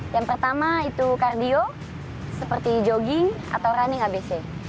yang pertama itu kardio seperti jogging atau running hbc